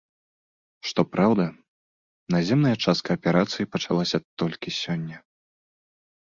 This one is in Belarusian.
Што праўда, наземная частка аперацыі пачалася толькі сёння.